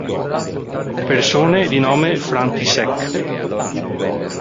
Persone di nome František